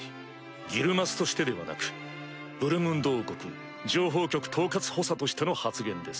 ギルマスとしてではなくブルムンド王国情報局統括補佐としての発言です。